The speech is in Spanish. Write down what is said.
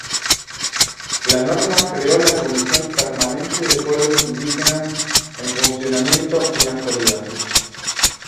La norma creo la Comisión Permanente de Pueblos Indígenas en funcionamiento en la actualidad.